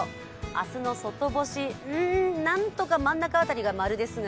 明日の外干し、何とか真ん中辺りが○ですが。